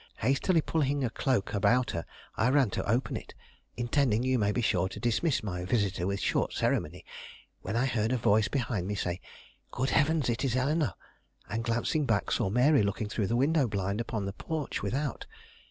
Hastily pulling her cloak about her I ran to open it, intending, you may be sure, to dismiss my visitor with short ceremony, when I heard a voice behind me say, "Good heavens, it is Eleanore!" and, glancing back, saw Mary looking through the window blind upon the porch without.